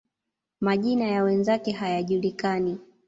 Majina ya wenzake hayajulikani.